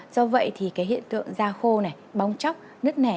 do vậy thì hiện tượng da khô bong chóc nứt nẻ